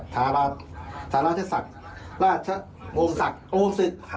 ครับศาลราชศักดิ์ราชวงศักดิ์โรงศึกษ์